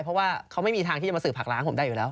เพราะว่าเขาไม่มีทางที่จะมาสืบผักล้างผมได้อยู่แล้ว